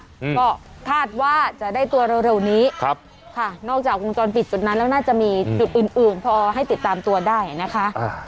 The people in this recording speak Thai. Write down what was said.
อืมก็คาดว่าจะได้ตัวเร็วเร็วนี้ครับค่ะนอกจากวงจรปิดจุดนั้นแล้วน่าจะมีจุดอื่นอื่นพอให้ติดตามตัวได้นะคะอ่า